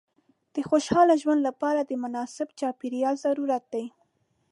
د خوشحاله ژوند لپاره د مناسب چاپېریال ضرورت دی.